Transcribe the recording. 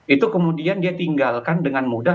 itu kemudian dia tinggalkan dengan mudah